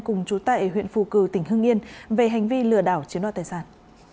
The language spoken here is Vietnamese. cùng chú tại huyện phù cử tỉnh hưng yên về hành vi lừa đảo chiếm đoạt tài sản